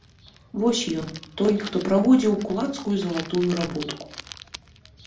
Вось ён, той, хто праводзіць кулацкую залатую работку!